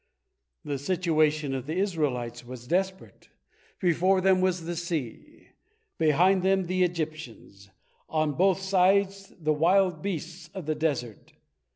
The situation of the Israelites was desperate. Before them was the sea, behind them the Egyptians, on both sides the wild beasts of the desert.